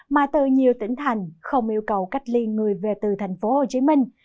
mà từ nhiều tỉnh thành không yêu cầu cách ly người về từ thành phố hồ chí minh